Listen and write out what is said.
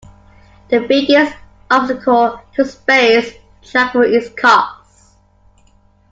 The biggest obstacle to space travel is cost.